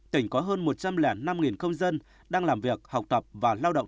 tỉnh có hơn một trăm linh năm công dân đang làm việc học tập và lao động